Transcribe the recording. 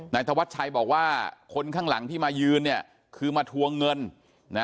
ธวัชชัยบอกว่าคนข้างหลังที่มายืนเนี่ยคือมาทวงเงินนะ